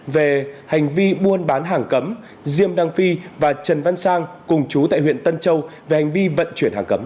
về hành vi buôn bán hàng cấm diêm đăng phi và trần văn sang cùng chú tại huyện tân châu về hành vi vận chuyển hàng cấm